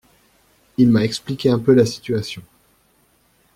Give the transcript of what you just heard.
Il m'a expliqué un peu la situation.